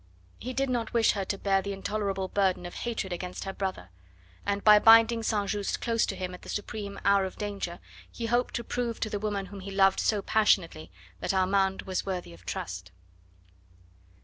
He did not wish her to bear the intolerable burden of hatred against her brother; and by binding St. Just close to him at the supreme hour of danger he hoped to prove to the woman whom he loved so passionately that Armand was worthy of trust.